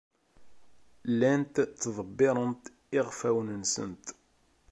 Llant ttḍebbirent iɣfawen-nsent.